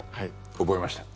覚えました。